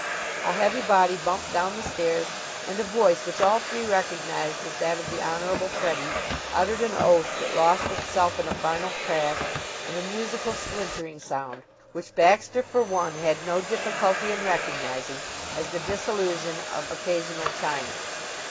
A heavy body bumped down the stairs, and a voice which all three recognized as that of the Honorable Freddie uttered an oath that lost itself in a final crash and a musical splintering sound, which Baxter for one had no difficulty in recognizing as the dissolution of occasional china.